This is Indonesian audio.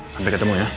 sampai ketemu ya